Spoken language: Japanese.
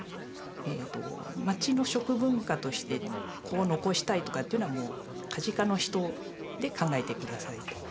町の食文化としてここを残したいとかっていうのはもう梶賀の人で考えて下さいと。